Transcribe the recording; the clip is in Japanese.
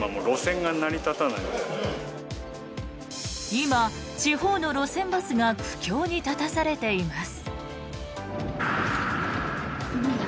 今、地方の路線バスが苦境に立たされています。